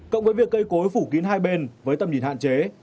cộng với việc cây cối phủ kín hai bên với tầm nhìn hạn chế